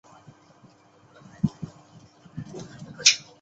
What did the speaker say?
母詹氏。